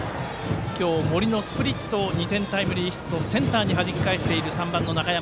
森のスプリットを２点タイムリーヒットセンターにはじき返している３番の中山。